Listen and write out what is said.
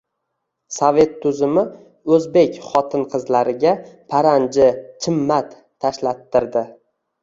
sovet tuzumi o‘zbek xotin-qizlariga... paranji-chimmat tashlattirdi!